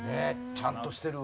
ちゃんとしてるわ。